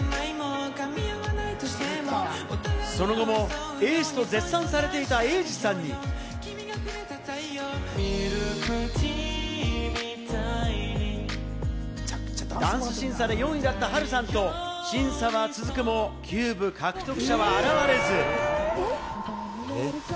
その後もエースと絶賛されていたエイジさんに、ダンス審査で４位だったハルさんと審査は続くも、キューブ獲得者は現れず。